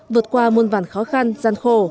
vượt qua muôn vàn khó khăn gian khổ